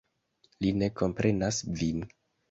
Li ne komprenas vin?